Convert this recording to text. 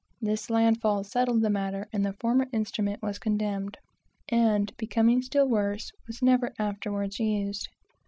This land fall settled the matter, and the former instrument was condemned, and becoming still worse, was never afterwards used.